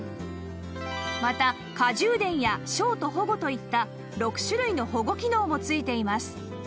また過充電やショート保護といった６種類の保護機能も付いています